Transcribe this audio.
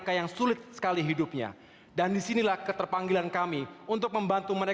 komunikasi politik antara kandungan tapi